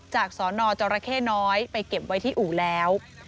สนจรเข้น้อยไปเก็บไว้ที่อู่แล้ว